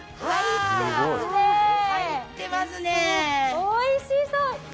おいしそう。